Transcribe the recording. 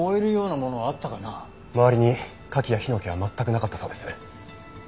周りに火器や火の気は全くなかったそうです。